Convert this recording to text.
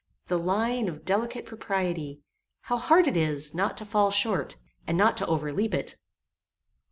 The line of delicate propriety; how hard it is, not to fall short, and not to overleap it!